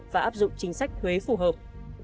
và áp dụng chính sách thuế phù hợp